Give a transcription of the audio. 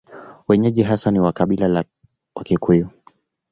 Wenyeji ni haswa wa kabila la Wakikuyu.